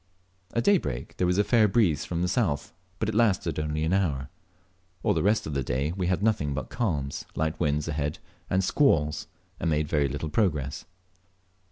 At daybreak there was a fair breeze from the south, but it lasted only an hour. All the rest of the day we had nothing but calms, light winds ahead, and squalls, and made very little progress.